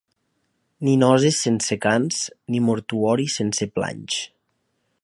Ni noces sense cants, ni mortuori sense planys.